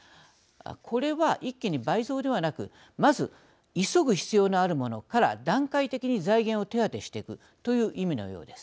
これは、一気に倍増ではなくまず急ぐ必要のあるものから段階的に財源を手当していくという意味のようです。